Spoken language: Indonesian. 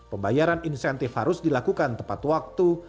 pembayaran insentif harus dilakukan tepat waktu